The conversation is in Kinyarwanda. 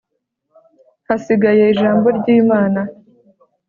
hasigaye ijambo ry’imana